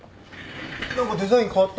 何かデザイン変わった？